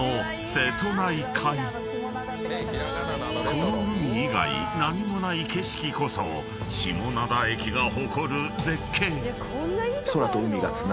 ［この海以外何もない景色こそ下灘駅が誇る絶景］